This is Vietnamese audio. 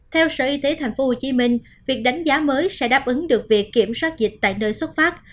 theo sở y tế tp hcm việc đánh giá mới sẽ đáp ứng được việc kiểm soát dịch tại nơi xuất phát